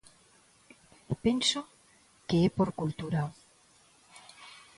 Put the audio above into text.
Penso que é por cultura.